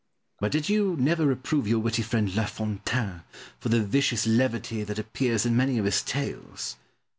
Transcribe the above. But did you never reprove your witty friend, La Fontaine, for the vicious levity that appears in many of his tales?